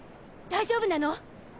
大丈夫なの？